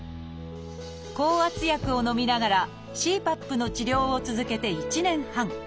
降圧薬をのみながらＣＰＡＰの治療を続けて１年半。